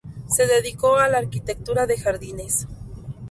Se dedicó a la arquitectura de jardines.